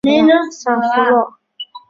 萨夫洛。